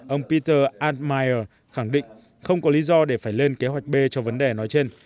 ông peter andmaiyeer khẳng định không có lý do để phải lên kế hoạch b cho vấn đề nói trên